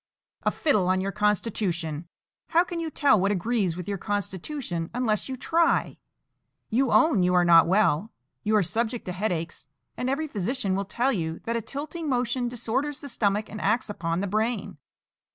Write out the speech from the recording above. "A fiddle on your constitution! How can you tell what agrees with your constitution unless you try? You own you are not well; you are subject to headaches; and every physician will tell you that a tilting motion disorders the stomach and acts upon the brain.